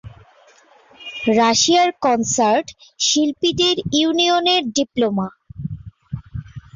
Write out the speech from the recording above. রাশিয়ার কনসার্ট শিল্পীদের ইউনিয়নের ডিপ্লোমা।